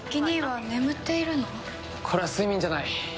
これは睡眠じゃない。